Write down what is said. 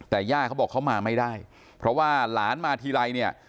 แต่ย่าเขาบอกเขามาไม่ได้เพราะว่าหลานมาทีไรเนี่ย